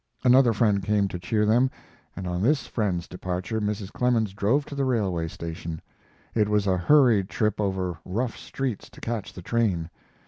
Another friend came to cheer them, and on this friend's departure Mrs. Clemens drove to the railway station. It was a hurried trip over rough streets to catch the train.